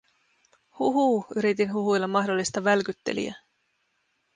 "Huhuu?", yritin huhuilla mahdollista välkyttelijää.